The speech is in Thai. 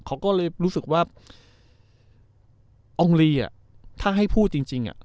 เขาก็เลยรู้สึกว่าอองลีอ่ะถ้าให้พูดจริงอ่ะ